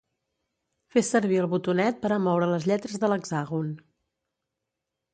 Fer sevir el botonet per a moure les lletres de l’hexàgon.